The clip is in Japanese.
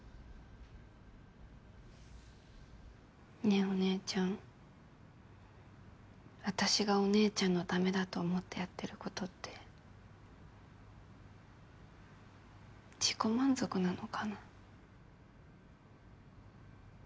ねえお姉ちゃん私がお姉ちゃんの為だと思ってやってることって自己満足なのかな？